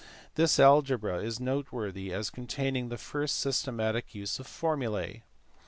This algebra is noteworthy as containing the first systematic use of formulae.